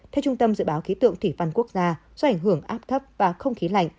theo trung tâm dự báo khí tượng thủy văn quốc gia do ảnh hưởng áp thấp và không khí lạnh